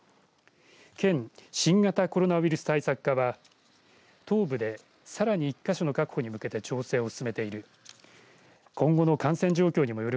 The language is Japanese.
県新型コロナウイルス対策課は東部でさらに１か所の確保に向けて調整を進めている。